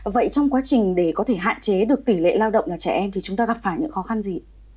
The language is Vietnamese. vậy trong quá trình để có thể hạn chế được tỷ lệ lao động là trẻ em thì chúng ta gặp phải những khó khăn gì